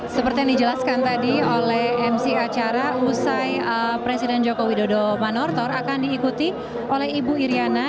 seperti yang dijelaskan tadi oleh mc acara usai presiden joko widodo manortor akan diikuti oleh ibu iryana